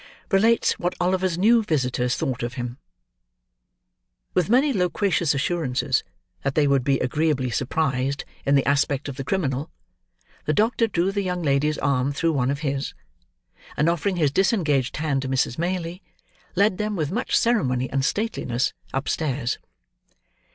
RELATES WHAT OLIVER'S NEW VISITORS THOUGHT OF HIM With many loquacious assurances that they would be agreeably surprised in the aspect of the criminal, the doctor drew the young lady's arm through one of his; and offering his disengaged hand to Mrs. Maylie, led them, with much ceremony and stateliness, upstairs.